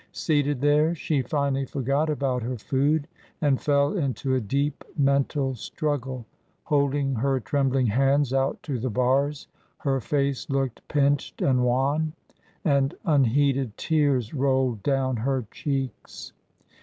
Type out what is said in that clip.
Seated there, she finally forgot about her food and fell into a deep mental struggle. Holding her trembling hands out to the bars, her face looked pinched and wan; and un heeded tears rolled down her cheeks.